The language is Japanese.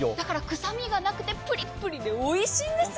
臭みがなくてプリプリでおいしいんですよ。